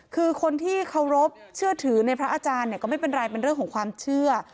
คือคนที่เคารพเชื่อถือในพระอาจารย์เนี่ยก็ไม่เป็นไรเป็นเรื่องของความเชื่อ